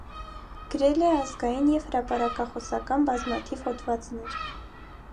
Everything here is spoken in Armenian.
Գրել է ազգային և հրապարակախոսական բազմաթիվ հոդվածներ։